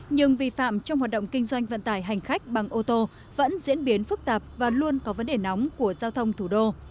nhưng vi phạm trong hoạt động kinh doanh vận tải hành khách bằng ô tô vẫn diễn biến phức tạp và luôn có vấn đề nóng của giao thông thủ đô